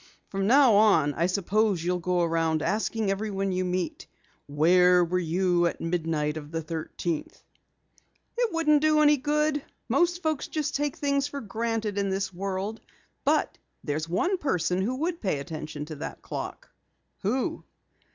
"From now on, I suppose you'll go around asking everyone you meet: 'Where were you at midnight of the thirteenth?'" "It wouldn't do any good. Most folks just take things for granted in this world. But there's one person who would pay attention to that clock!" "Who?"